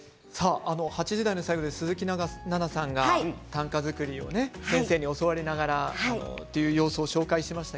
８時台の最後に鈴木奈々さんが短歌作りを先生に教わりながらの様子をご紹介しました。